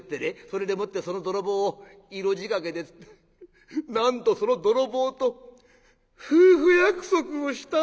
それでもってその泥棒を色仕掛けでなんとその泥棒と夫婦約束をしたんですって！